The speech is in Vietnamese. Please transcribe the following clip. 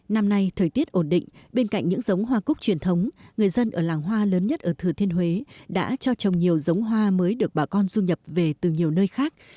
năm nay thời tiết ổn định bên cạnh những giống hoa cúc truyền thống người dân ở làng hoa lớn nhất ở thừa thiên huế đã cho trồng nhiều giống hoa mới được bà con du nhập về từ nhiều nơi khác